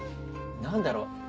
何だろう？